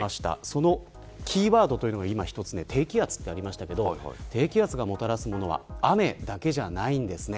そのキーワードというのが今、１つ目低気圧とありましたけど低気圧がもたらすものは雨だけじゃないんですね。